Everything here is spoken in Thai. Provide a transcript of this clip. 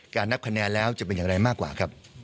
นับคะแนนแล้วจะเป็นอย่างไรมากกว่าครับ